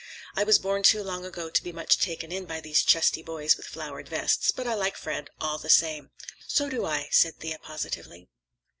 I was born too long ago to be much taken in by these chesty boys with flowered vests, but I like Fred, all the same." "So do I," said Thea positively.